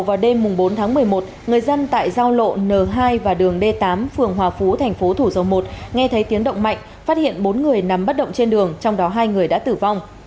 vào đêm bốn tháng một mươi một người dân tại giao lộ n hai và đường d tám phường hòa phú thành phố thủ dầu một nghe thấy tiếng động mạnh phát hiện bốn người nằm bất động trên đường trong đó hai người đã tử vong